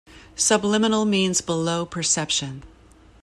Subliminal means below perception.